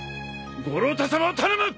五郎太さまを頼む！